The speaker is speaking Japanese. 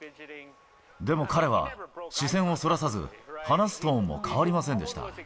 でも彼は、視線をそらさず、話すトーンも変わりませんでした。